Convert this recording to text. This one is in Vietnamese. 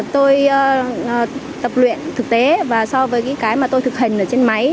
tôi tập luyện thực tế và so với cái mà tôi thực hình ở trên máy